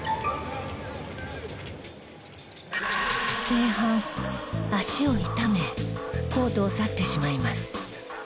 前半足を痛めコートを去ってしまいます。